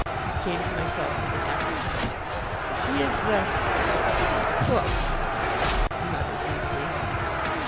I came to myself with an effort. "She is the the cook," I muttered weakly.